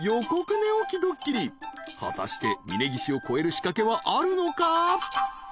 ［果たして峯岸を超える仕掛けはあるのか？］